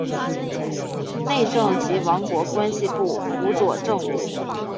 内政及王国关系部辅佐政务。